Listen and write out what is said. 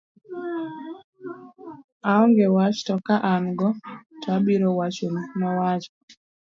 aonge wach to ka an go to abiro wachoni, nowacho